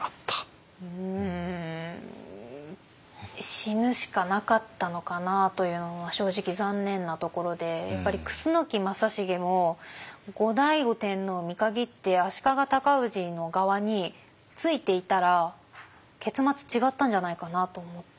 死ぬしかなかったのかなというのは正直残念なところでやっぱり楠木正成も後醍醐天皇を見限って足利尊氏の側についていたら結末違ったんじゃないかなと思って。